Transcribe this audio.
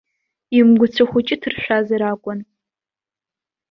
Имгәацәа хәыҷы ҭыршәазар акәын!